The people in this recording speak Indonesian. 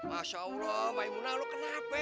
masya allah maimunah lo kenapa